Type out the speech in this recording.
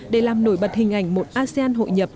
để làm nổi bật hình ảnh một asean hội nhập